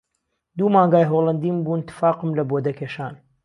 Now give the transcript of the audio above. دوو مانگای هۆلهندیم بوون تفاقم له بۆ دهکێشان